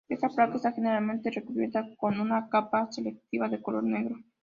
Esta placa está generalmente recubierta con una capa selectiva de color negro.